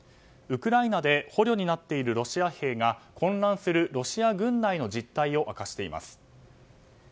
ウクライナで捕虜になっているロシア兵が混乱するロシア軍内の実態を明かしています。